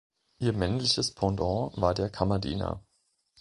Ihr männliches Pendant war der Kammerdiener.